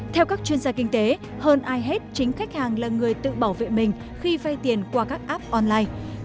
theo các chuyên gia kinh tế hơn ai hết chính khách hàng là người tự bảo vệ mình khi vay tiền qua các app online